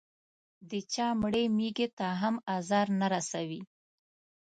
د چا مړې مېږې ته هم ازار نه رسوي.